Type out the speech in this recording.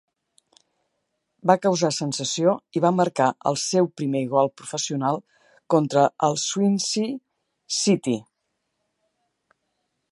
Va causar sensació i va marcar el seu primer gol professional contra el Swansea City.